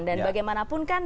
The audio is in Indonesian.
dan bagaimanapun kan